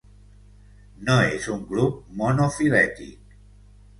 No és un grup monofilètic.